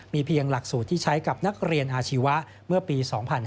เพียงหลักสูตรที่ใช้กับนักเรียนอาชีวะเมื่อปี๒๕๕๙